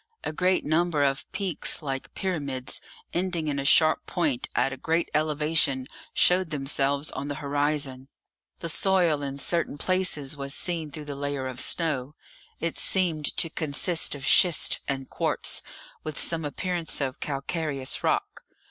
A great number of peaks, like pyramids, ending in a sharp point at a great elevation, showed themselves on the horizon. The soil in certain places was seen through the layer of snow; it seemed to consist of schist and quartz, with some appearance of calcareous rock.